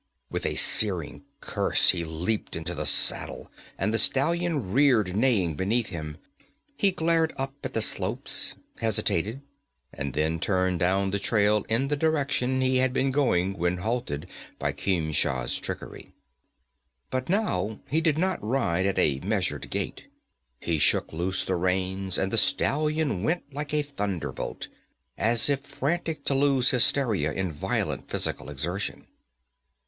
With a searing curse he leaped into the saddle and the stallion reared neighing beneath him. He glared up the slopes, hesitated, and then turned down the trail in the direction he had been going when halted by Khemsa's trickery. But now he did not ride at a measured gait. He shook loose the reins and the stallion went like a thunderbolt, as if frantic to lose hysteria in violent physical exertion.